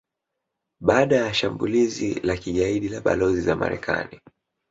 baada ya shambulizi la kigaidi la balozi za Marekani